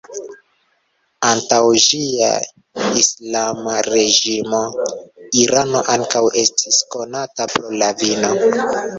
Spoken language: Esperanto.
Antaŭ ĝia islama reĝimo, Irano ankaŭ estis konata pro la vino.